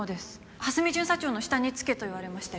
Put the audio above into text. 蓮見巡査長の下につけと言われまして。